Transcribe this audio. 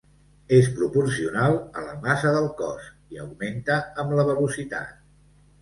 És proporcional a la massa del cos i augmenta amb la velocitat.